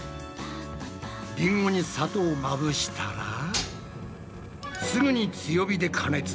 リンゴに砂糖をまぶしたらすぐに強火で加熱。